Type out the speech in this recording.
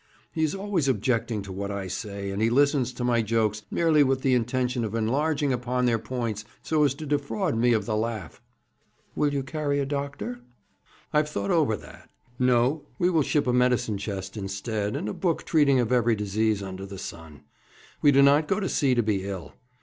He is always objecting to what I say, and he listens to my jokes merely with the intention of enlarging upon their points so as to defraud me of the laugh.' 'Will you carry a doctor?' 'I have thought over that. No; we will ship a medicine chest instead, and a book treating of every disease under the sun. We do not go to sea to be ill.